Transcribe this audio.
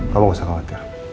kamu gak usah khawatir